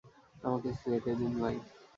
আমাকে যেতে দিন ভাই।